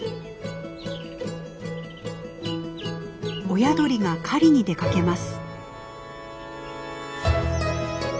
親鳥が狩りに出かけます。